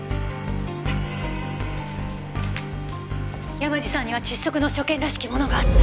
山路さんには窒息の所見らしきものがあった。